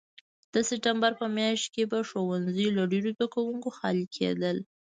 د سپټمبر په میاشت کې به ښوونځي له ډېرو زده کوونکو خالي کېدل.